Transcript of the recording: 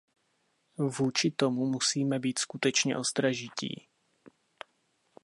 Vůči tomu musíme být skutečně ostražití.